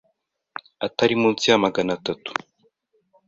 Atari munsi ya Magana atatu